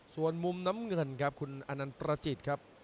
ส่วนมุมน้ำเงินครับคุณอนันต์ประจิตครับ